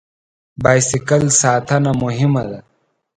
بایسکل ساتنه مهمه ده.